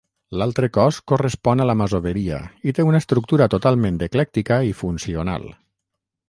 L'altre cos correspon a la masoveria i té una estructura totalment eclèctica i funcional.